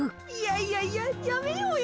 いやいややめようや。